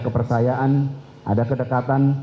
kepercayaan ada kedekatan